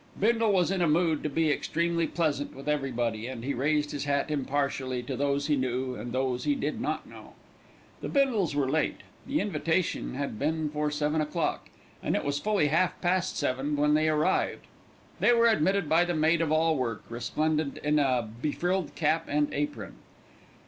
Bindle was in a mood to be extremely pleasant with everybody, and he raised his hat impartially to those he knew and those he did not know. The Bindles were late. The invitation had been for seven o'clock, and it was fully half past seven when they arrived. They were admitted by the maid of all work, resplendent in a befrilled cap and apron.